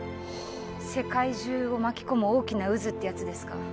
世界中を巻き込む大きな渦ってやつですか？